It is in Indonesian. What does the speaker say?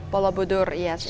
pola puturnya ya